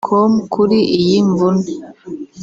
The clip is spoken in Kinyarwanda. com kuri iyi mvune